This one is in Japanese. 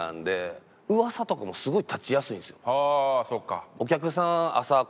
はあそっか。